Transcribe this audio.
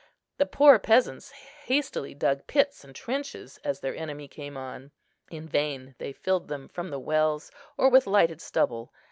The poor peasants hastily dug pits and trenches as their enemy came on; in vain they filled them from the wells or with lighted stubble.